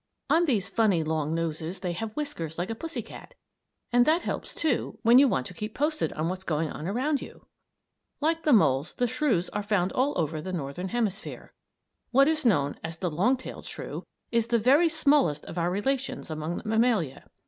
On these funny, long noses they have whiskers like a pussy cat; and that helps, too, when you want to keep posted on what's going on around you. Like the moles the shrews are found all over the Northern Hemisphere. What is known as the "long tailed shrew," is the very smallest of our relations among the mammalia.